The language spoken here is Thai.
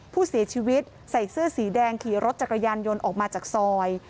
ผู้เสียชีวิตใส่เสื้อสีแดงขี่รถจักรยานยนต์ออกมาจากซอย